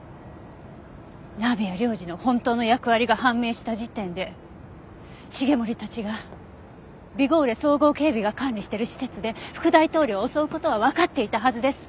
鍋谷亮次の本当の役割が判明した時点で繁森たちがビゴーレ総合警備が管理してる施設で副大統領を襲う事はわかっていたはずです。